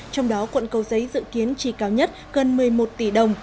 trong đó quận cầu giấy dự kiến chi cao nhất gần một mươi một tỷ đồng